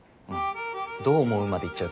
「どう思う？」までいっちゃうと。